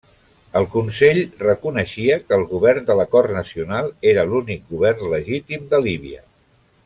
El Consell reconeixia que el govern de l'acord nacional era l'únic govern legítim de Líbia.